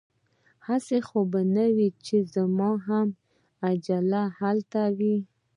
هسې خو به نه وي چې زما هم اجل همدلته وي؟